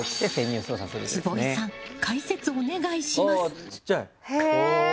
坪井さん、解説お願いします。